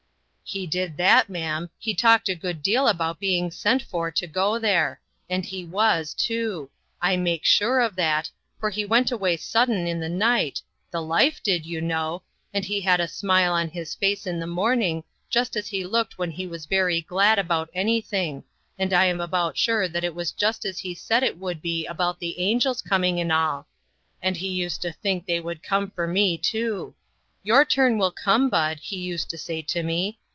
" He did that, ma'am. He talked a good deal about being sent for to go there ; and he was, too; I make sure of that, for he went away sudden in the night, the life did, you know, and he had a smile on his face in the morning, just as he looked when he was very glad about anything, and I am about sure that it was just as he said it would be about the angels coming, and all ; and he used to think they would come for me, too. ' Your turn will come, Bud,' he used to say to me.